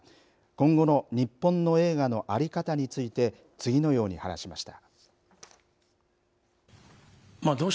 今後の日本の映画の在り方について、次のように話しました。